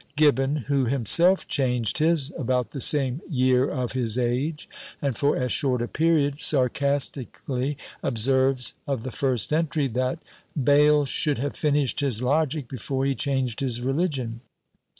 Gibbon, who himself changed his about the same "year of his age," and for as short a period, sarcastically observes of the first entry, that "Bayle should have finished his logic before he changed his religion."